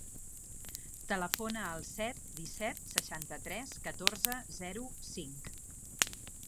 Telefona al set, disset, seixanta-tres, catorze, zero, cinc.